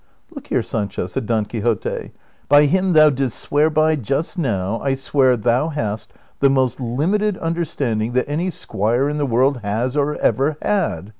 " Look here, Sancho," said Don Quixote, " by him thou didst swear by just now I swear thou hast the most limited under standing that any squire in the world has or ever had.